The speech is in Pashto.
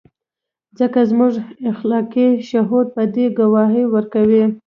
ځکه زموږ اخلاقي شهود په دې ګواهي ورکوي.